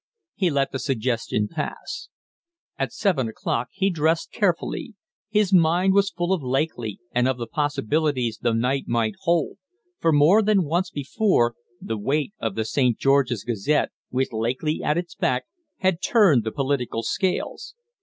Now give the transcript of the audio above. He let the suggestion pass. At seven o'clock he dressed carefully. His mind was full of Lakely and of the possibilities the night might hold; for more than once before, the weight of the 'St. George's Gazette', with Lakely at its back, had turned the political scales.